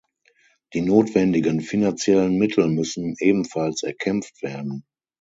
Die notwendigen finanziellen Mittel müssen ebenfalls erkämpft werden.